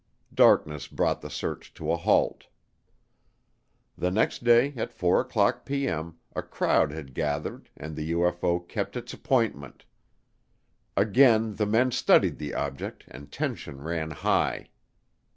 Darkness brought the search to a halt. The next day at 4:00P.M. a crowd had gathered and the UFO kept its appointment. Again the men studied the object and tension ran high.